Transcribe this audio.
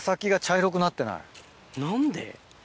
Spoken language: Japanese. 何で？